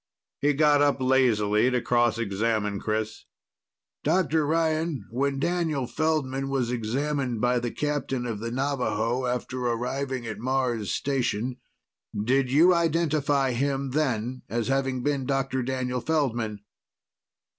He got up lazily to cross examine Chris. "Dr. Ryan, when Daniel Feldman was examined by the Captain of the Navaho after arriving at Mars station, did you identify him then as having been Dr. Daniel Feldman?"